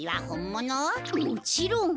もちろん。